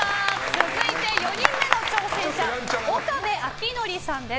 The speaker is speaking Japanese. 続いて４人目の挑戦者岡部晃典さんです。